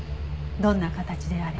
どんな形であれ。